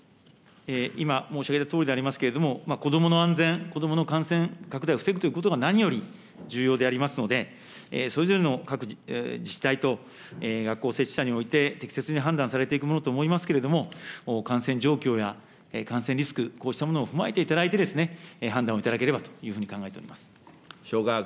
今申し上げたとおりでありますけれども、子どもの安全、子どもの感染拡大を防ぐということが何より重要でありますので、それぞれの各自治体と学校設置者において、適切に判断されていくものと思いますけれども、感染状況や感染リスク、こうしたものを踏まえていただいてですね、判断をいただければというふうに考えております。